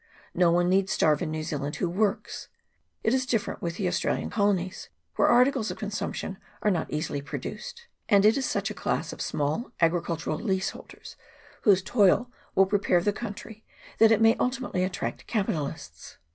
No one need starve in New Zealand who works (it is different with the Australian colonies, where articles of consumption are not easily produced) ; and it is such a class of small agricultural leaseholders whose toil will pre pare the country that it may ultimately attract capitalists.